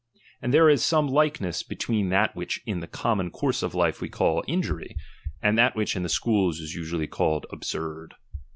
And there is some likeness between that wliich in the common course of life we call injury, and that which in the Schools is usually called alstird.